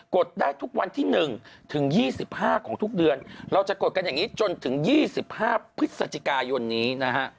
ดได้ทุกวันที่๑ถึง๒๕ของทุกเดือนเราจะกดกันอย่างนี้จนถึง๒๕พฤศจิกายนนี้นะฮะ